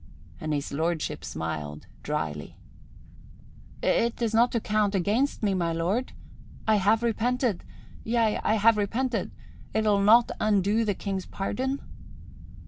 And His Lordship smiled dryly. "It is not to count against me, my lord? I have repented yea, I have repented! 'Twill not undo the King's pardon?"